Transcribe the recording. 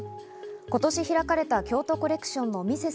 今年開かれた京都コレクションのミセス